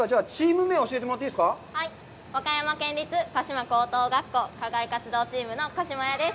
和歌山県立神島高校課外活動チームの神島屋です。